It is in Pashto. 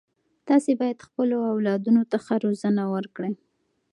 تاسې باید خپلو اولادونو ته ښه روزنه ورکړئ.